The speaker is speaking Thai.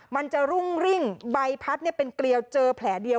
มันจะรุ่งริ่งใบพัดเป็นเกลียวเจอแผลเดียว